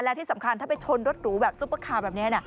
และที่สำคัญถ้าไปชนรถหรูแบบซุปเปอร์คาร์แบบนี้